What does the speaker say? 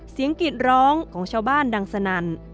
เสียงกิจร้องแบบของชาวบ้านดังสนั่น